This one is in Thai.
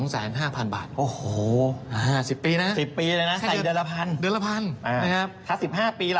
๑๐ปีนะครับแค่เดือนละพันนะครับถ้า๑๕ปีล่ะ